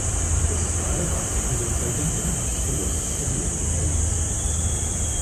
The style of writing has also been compared to the works of Lydia Davis.